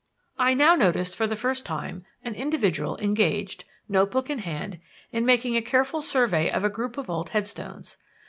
I now noticed, for the first time, an individual engaged, notebook in hand, in making a careful survey of a group of old headstones.